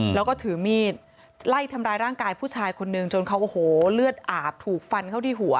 แล้วก็ถือมีดไล่ทำร้ายร่างกายผู้ชายคนนึงจนเขาโอ้โหเลือดอาบถูกฟันเข้าที่หัว